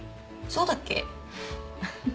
そうだっけ？